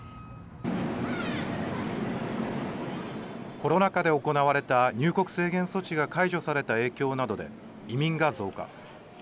コロナ禍で行われた入国制限措置が解除された影響などで、移民が増加。